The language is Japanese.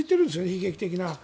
悲劇的な。